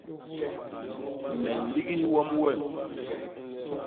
Me nligis wom wem.